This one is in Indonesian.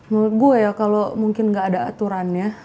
menurut gue ya kalo mungkin gak ada aturan ya